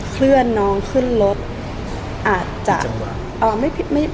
เคลื่อนน้องขึ้นรถอาจจะผิดจังหวะ